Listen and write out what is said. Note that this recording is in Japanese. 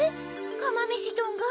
かまめしどんが？